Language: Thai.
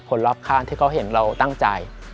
รอบข้างที่เขาเห็นเราตั้งใจ